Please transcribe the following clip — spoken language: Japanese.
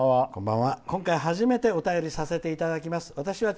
今回初めてお便りさせていただきます。